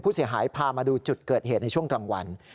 ผู้เสียหายพามาดูจุดเกิดเหตุในช่วงกลางวัน